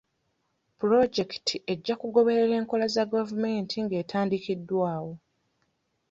Pulojekiti ejja kugoberera enkola za gavumenti ng'etandikiddwawo.